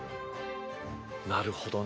なるほどね。